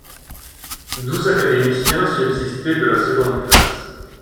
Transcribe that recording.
Douze académiciens subsistaient de la seconde classe.